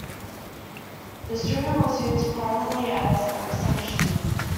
This room was used primarily as a reception room.